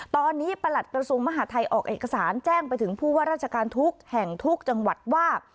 ตอนนี้ประหลัดกระทรวงมหาทัยออกเอกสารแจ้งไปถึงผู้ว่าราชการทุกแห่งทุกจังหวัดว่า